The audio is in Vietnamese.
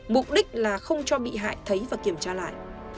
mục đích là không cho bị hại thấy và kiểm tra lại